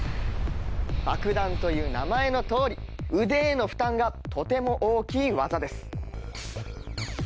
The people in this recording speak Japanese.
バクダンという名前のとおり腕への負担がとても大きい技です。